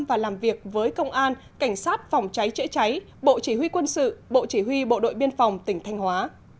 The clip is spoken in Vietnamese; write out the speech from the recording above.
và làm việc với công an cảnh sát phòng cháy chữa cháy bộ chỉ huy quân sự bộ chỉ huy bộ đội biên phòng tỉnh thanh hóa